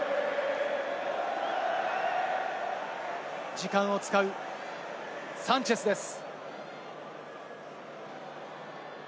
時間を使う、サンチェスです。